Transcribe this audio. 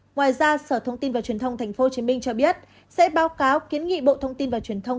ngoài ra sở thông tin và truyền thông tp hcm cho biết sẽ báo cáo kiến nghị bộ thông tin và truyền thông